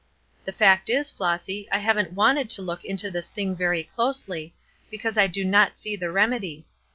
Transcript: The fact is, Flossy, I haven't wanted to look into this thing very closely, because I do not see the remedy.